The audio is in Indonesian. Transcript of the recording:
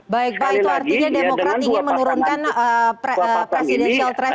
baik pak itu artinya demokrat ingin menurunkan presiden tresol